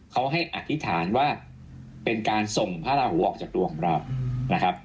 เขาให้อธิษฐานว่าเป็นการส่งพระราหูออกจากตัวของเรานะครับ